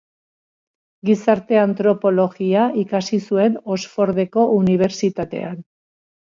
Gizarte-antropologia ikasi zuen Oxfordeko Unibertsitatean.